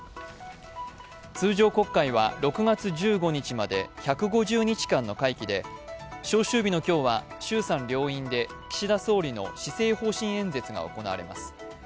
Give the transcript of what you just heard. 通常国会は６月１５日まで１５０日間の会期で召集日の今日は衆参両院で岸田総理の施政方針演説が行われます。